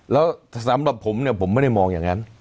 แล้วสำหรับผมเนี่ยผมไม่ได้มองอย่างนั้น